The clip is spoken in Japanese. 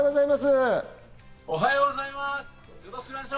おはようございます。